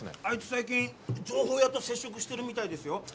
あいつ最近情報屋と接触してるみたいですよ。